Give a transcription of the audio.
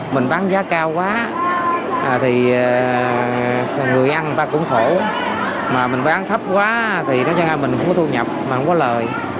mình bán giá cao quá thì người ăn người ta cũng khổ mà mình bán thấp quá thì nói chung là mình cũng có thu nhập mà không có lời